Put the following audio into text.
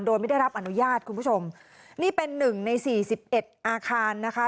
โดยไม่ได้รับอนุญาตคุณผู้ชมนี่เป็นหนึ่งในสี่สิบเอ็ดอาคารนะคะ